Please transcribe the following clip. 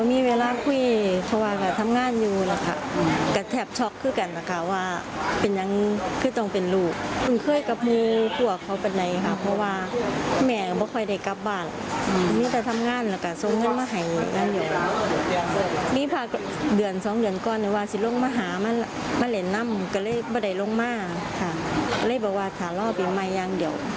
ไม่รู้ว่าทะเลาะวิวาดมายังเดียวไม่คิดว่าลูกจะสิบไก่ก้อน